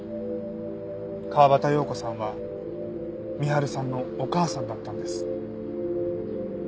川端葉子さんは深春さんのお母さんだったんです。